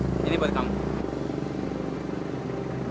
ternyata punya hati selembut itu